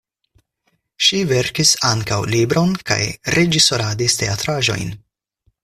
Ŝi verkis ankaŭ libron kaj reĝisoradis teatraĵojn.